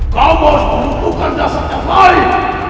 kamu harus membutuhkan jasad yang baik